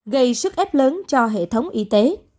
gây sức ép lớn cho hệ thống y tế